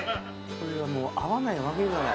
これはもう合わないわけがない